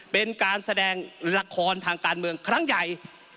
เป็นการแสดงละครทางการเมืองครั้งใหญ่